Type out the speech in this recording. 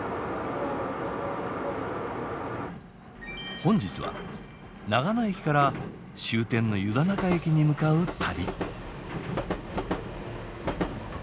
本日は長野駅から終点の湯田中駅に向かう旅。